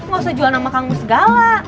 gak usah jual nama kang mus segala